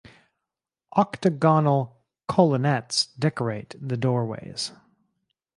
Octagonal colonettes decorate the doorways.